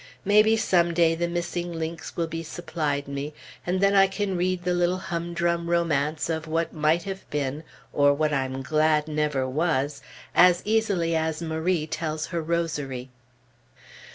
Maybe some day the missing links will be supplied me, and then I can read the little humdrum romance of What might have been, or What I'm glad never was, as easily as Marie tells her rosary.